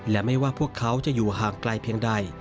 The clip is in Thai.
และไม่ว่าพวกเขาจะอยู่ห่างไกลเพียงใด